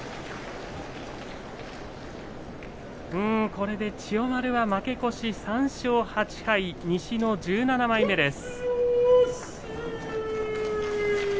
これで千代丸が負け越し３勝８敗、西の１７枚目です。